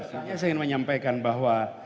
saya ingin menyampaikan bahwa